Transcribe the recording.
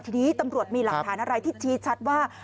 ทีนี้ตำรวจมีหลักฐานอะไรที่ชี้ชัดว่า